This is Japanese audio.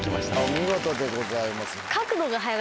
お見事でございます。